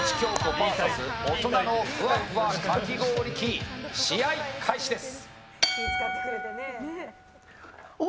ＶＳ大人のふわふわかき氷器試合開始です。